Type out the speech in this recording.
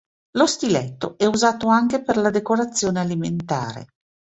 Lo stiletto è usato anche per la decorazione alimentare.